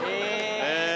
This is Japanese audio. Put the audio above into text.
へえ。